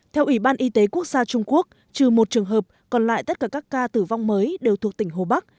theo ủy ban y tế quốc gia trung quốc trừ một trường hợp còn lại tất cả các ca tử vong mới đều thuộc tỉnh hồ bắc